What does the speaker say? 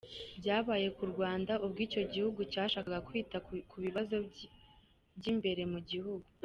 Byabaye ku Rwanda ubwo icyo gihugu cyashakaga kwita ku bibazo by’imbere mu gihugu.